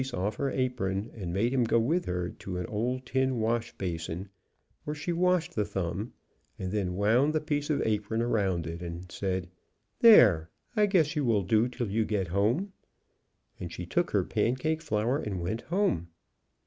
ce off her apron, and made him go with her to an old tin wash basin, where she washed the thumb, and then wound he piece of apron around it, and said: "There, I THE DRUMMER AND THE FARMER 165 guess you will do till you get home," and she took her pancake flour and went home.